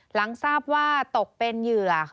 หลังทราบว่าตกเป็นเหยื่อ